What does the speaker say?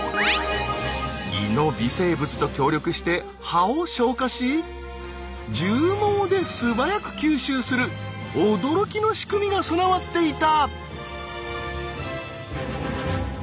胃の微生物と協力して葉を消化しじゅう毛で素早く吸収する驚きの仕組みが備わっていた。